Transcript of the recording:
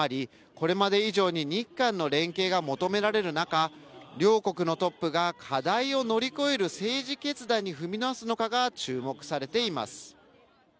これまで以上に日韓の連携が求められる中、両国のトップが課題を乗り越える政治決断に踏み直すのかが注目されています。